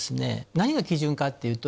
何が基準かっていうと。